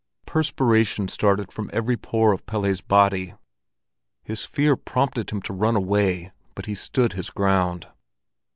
The perspiration started from every pore of Pelle's body; his fear prompted him to run away, but he stood his ground.